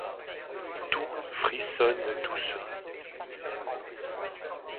Tout frissonne doucement.